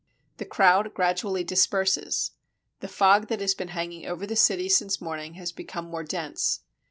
The crowd gradually disperses. The fog that has been hanging over the city since morning has become more dense.